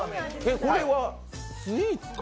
これはスイーツ？